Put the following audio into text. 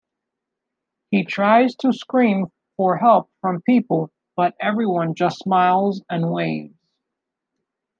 He tries to scream for help from people, but everyone just smiles and waves.